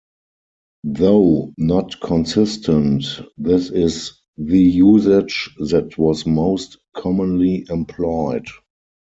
Though not consistent, this is the usage that was most commonly employed.